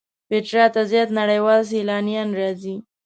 پېټرا ته زیات نړیوال سیلانیان راځي.